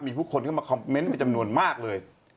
มีผู้คนเข้ามาคอมเมนต์เป็นจำนวนมากเลย